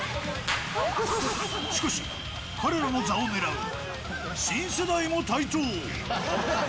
しかし、彼らの座を狙う、新世代も台頭。